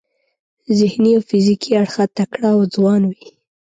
ذهني او فزیکي اړخه تکړه او ځوان وي.